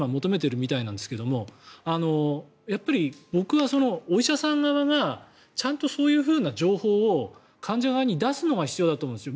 今、求めてるみたいですがやっぱり僕はお医者さん側がちゃんとそういう情報を患者側に出すのが必要だと思うんですよ。